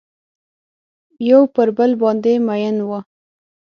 یو پر بل باندې میین وه